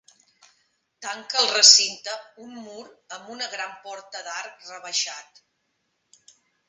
Tanca el recinte un mur amb una gran porta d'arc rebaixat.